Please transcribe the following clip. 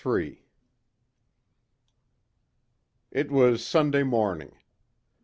3 It was Sunday morning.